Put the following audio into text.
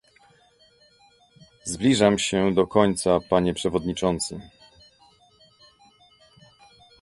Zbliżam się do końca panie przewodniczący